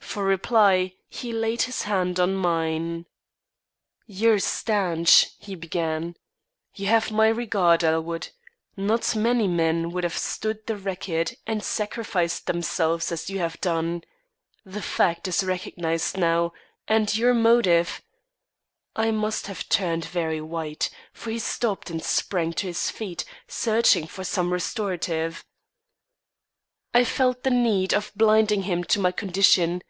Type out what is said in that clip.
For reply, he laid his hand on mine. "You're stanch," he began. "You have my regard, Elwood. Not many men would have stood the racket and sacrificed themselves as you have done. The fact is recognised, now, and your motive " I must have turned very white; for he stopped and sprang to his feet, searching for some restorative. I felt the need of blinding him to my condition.